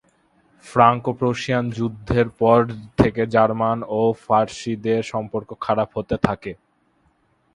Franco-Prussian যুদ্ধের পর থেকে জার্মান ও ফরাসিদের সম্পর্ক খারাপ হতে থাকে।